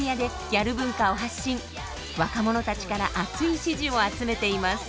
若者たちから熱い支持を集めています。